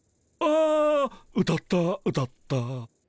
ああ歌った歌った。